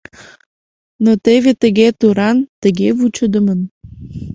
Но теве тыге туран, тыге вучыдымын...